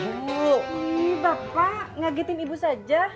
ih bapak ngagetin ibu saja